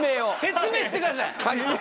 説明してください。